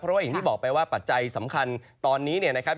เพราะว่าอย่างที่บอกไปว่าปัจจัยสำคัญตอนนี้เนี่ยนะครับ